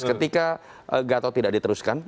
ketika gatot tidak diteruskan